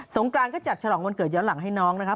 กรานก็จัดฉลองวันเกิดย้อนหลังให้น้องนะครับ